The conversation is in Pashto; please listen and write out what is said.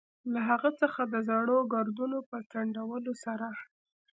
له هغه څخه د زړو ګردونو په څنډلو سره.